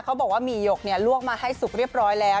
เขาบอกว่ามีหยกลวกมาให้สุกเรียบร้อยแล้ว